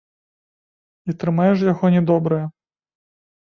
І трымае ж яго нядобрае!